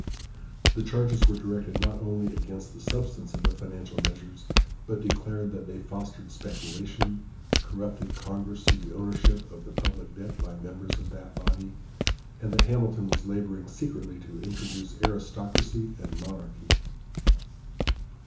The charges were directed not only against the substance of the financial measures, but declared that they fostered speculation, corrupted Congress through the ownership of the public debt by members of that body, and that Hamilton was laboring secretly to introduce aristocracy and monarchy.